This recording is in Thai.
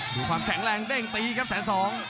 ดูความแข็งแรงเด้งตีครับแสนสอง